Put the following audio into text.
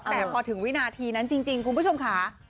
แต่พอถึงวินาทีนั้นจริงคุณผู้ชมค่ะ